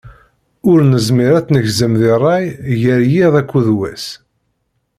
Ur nezmir ad tt-negzem di rray gar yiḍ akkeḍ wass.